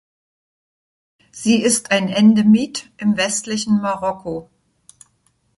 Sie ist ein Endemit im westlichen Marokko.